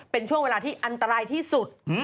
เป็นช่วงเวลาที่อันตรายที่สุด